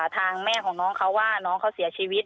ทางแม่ของน้องเขาว่าน้องเขาเสียชีวิต